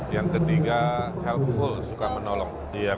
yang ketiga healthful suka menolong